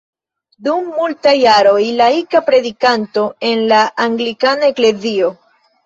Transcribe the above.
Dum multaj jaroj laika predikanto en la anglikana eklezio.